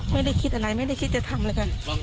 ไม่ได้คิดอะไรไม่ได้คิดจะทำเลย